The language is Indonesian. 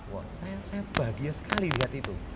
wah saya bahagia sekali lihat itu